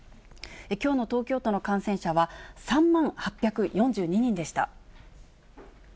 きょうの東京都の感染者は３万８４２人でした。